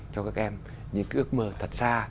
cho các em những ước mơ thật xa